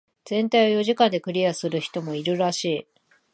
全体を四時間でクリアする人もいるらしい。